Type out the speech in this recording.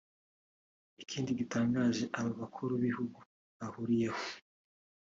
Ikindi gitangaje aba bakuru b’ibihugu bahuriyeho